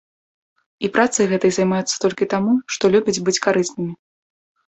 І працай гэтай займаюцца толькі таму, што любяць быць карыснымі.